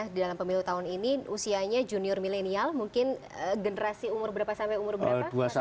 di dalam pemilu tahun ini usianya junior milenial mungkin generasi umur berapa sampai umur berapa